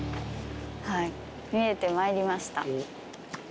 はい見えてまいりました。